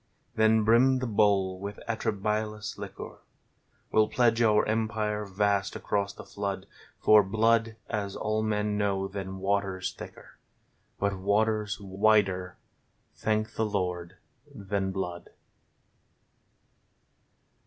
Then brim the bowl with atrabilious liquor ! We'll pledge our Empire vast across the flood : For Blood, as all men know, than Water's thicker, But water's wider, thank the Lord, than Blood.